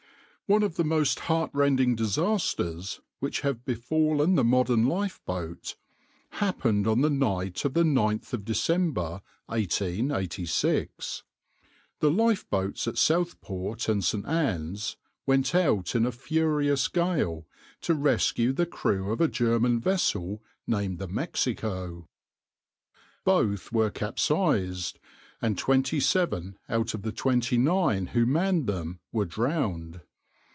\par One of the most heartrending disasters, which have befallen the modern lifeboat, happened on the night of the 9th of December 1886. The lifeboats at Southport and St. Anne's went out in a furious gale to rescue the crew of a German vessel named the {\itshape{Mexico}}. Both were capsized, and twenty seven out of the twenty nine who manned them were drowned.